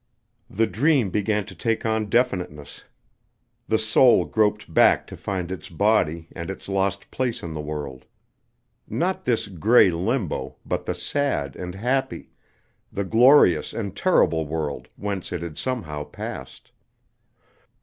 The dream began to take on definiteness. The soul groped back to find its body and its lost place in the world. Not this gray limbo, but the sad and happy, the glorious and terrible world whence it had somehow passed.